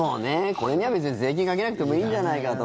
これには別に税金かけなくてもいいんじゃないかと。